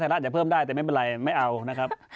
รัฐจะเพิ่มได้แต่ไม่เป็นไรไม่เอานะครับ